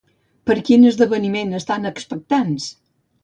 Per quin esdeveniment estan expectants?